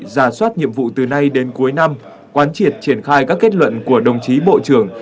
giả soát nhiệm vụ từ nay đến cuối năm quán triệt triển khai các kết luận của đồng chí bộ trưởng